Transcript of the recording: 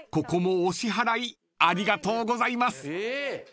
ここもお支払いありがとうございます］